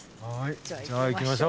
じゃあ行きましょう。